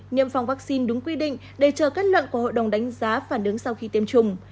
tiêm phòng vaccine đúng quy định để chờ kết luận của hội đồng đánh giá phản ứng sau khi tiêm chủng